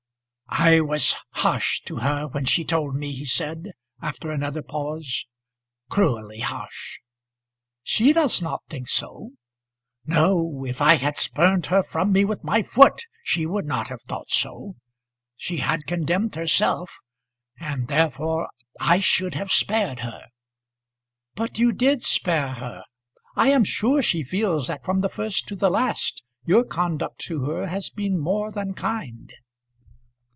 "I was harsh to her when she told me," he said, after another pause "cruelly harsh." "She does not think so." "No. If I had spurned her from me with my foot, she would not have thought so. She had condemned herself, and therefore I should have spared her." "But you did spare her. I am sure she feels that from the first to the last your conduct to her has been more than kind."